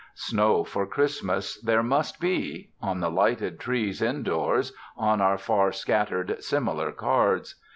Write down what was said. Snow for Christmas there must be—on the lighted trees indoors, on our far scattered, similar cards.